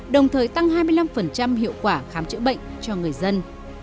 đồng thời tăng hai mươi năm hiệu quả khám chữa bệnh cho người dân